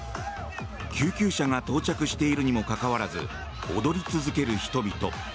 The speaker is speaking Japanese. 救急車が到着しているにもかかわらず踊り続ける人々。